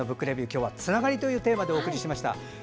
今日は「つながり」というテーマでお送りしました。